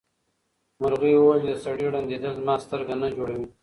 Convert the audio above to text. مرغۍ وویل چې د سړي ړندېدل زما سترګه نه جوړوي.